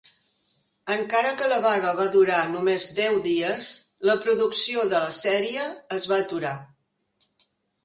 Encara que la vaga va durar només deu dies, la producció de la sèrie es va aturar.